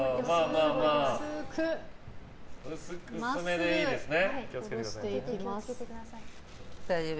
薄めでいいですね。